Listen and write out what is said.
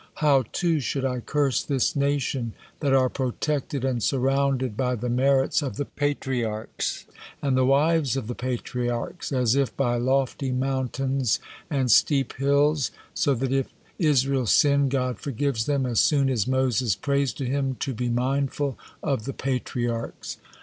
How, too, should I curse this nation that are protected and surrounded by the merits of the Patriarchs and the wives of the Patriarchs as if by lofty mountains and steep hills, so that if Israel sin, God forgives them as soon as Moses prays to Him to be mindful of the Patriarchs!